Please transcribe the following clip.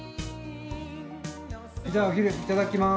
じゃあお昼いただきます。